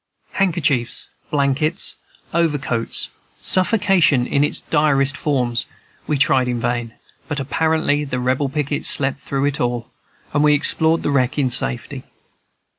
Handkerchiefs, blankets, over coats, suffocation in its direst forms, were tried in vain, but apparently the Rebel pickets slept through it all, and we exploded the wreck in safety.